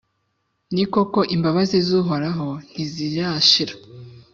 ni koko, imbabazi z’Uhoraho ntizirashira,